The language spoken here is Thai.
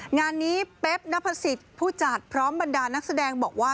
งานนี้เป๊บนพสิทธิ์ผู้จัดพร้อมบรรดานักแสดงบอกว่า